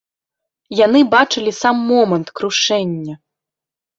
Яны бачылі сам момант крушэння.